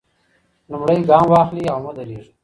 لومړی ګام واخلئ او مه درېږئ.